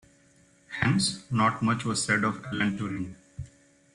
Hence, not much was said of Alan Turing.